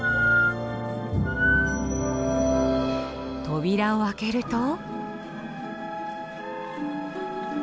扉を開けると。